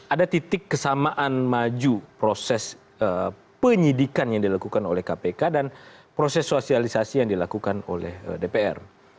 ada titik kesamaan maju proses penyidikan yang dilakukan oleh kpk dan proses sosialisasi yang dilakukan oleh dpr